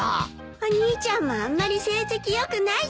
お兄ちゃんもあんまり成績良くないじゃないの。